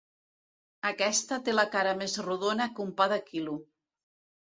Aquesta té la cara més rodona que un pa de quilo.